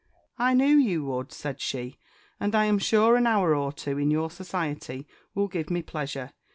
"I knew you would," said she; "and I am sure a _h_our or two in your society will give me pleasure.